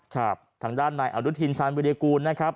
ทางด้านนายอนุทินชาญวิรากูลนะครับ